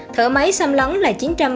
thở máy xâm lấn là chín trăm một mươi sáu